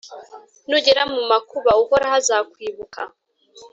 Nugera mu makuba, Uhoraho azakwibuka,